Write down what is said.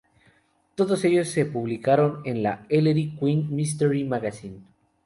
Todos ellos se publicaron en la "Ellery Queen Mystery Magazine".